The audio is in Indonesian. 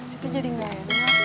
siti jadi gak enak